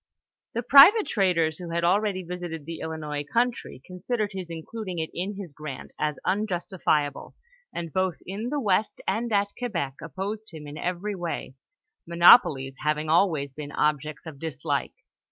The private traders who had already visited the Illinois country, considered his including it in his grant as unjustifiable, and both in the west and at Quebec opposed liim in every way, monopolies having always been objects of dislike.